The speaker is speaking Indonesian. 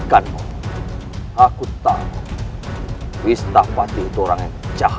kami akan perasa nilaifck